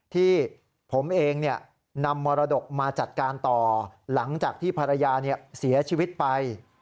ที่ผมเองนำมรดกมาจัดการต่อหลังจากที่ภรรยาเสียชีวิตไป